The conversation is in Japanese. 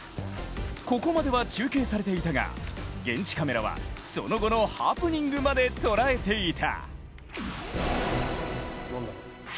ここまでは中継されていたが、現地カメラはその後のハプニングまでとらえていた！